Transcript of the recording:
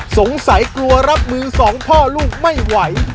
สงสัยกลัวรับมือสองพ่อลูกไม่ไหว